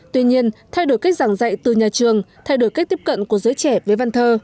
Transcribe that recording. tuy nhiên thay đổi cách giảng dạy từ nhà trường thay đổi cách tiếp cận của giới trẻ với văn thơ